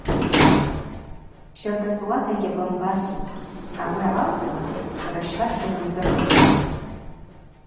Щарда цӏуата йгьабамбасызтӏ, ауи агӏалцӏла раща дгьрымдырхтӏ.